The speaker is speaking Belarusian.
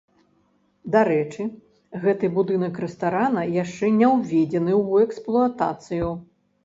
Дарэчы, гэты будынак рэстарана яшчэ не ўведзены ў эксплуатацыю.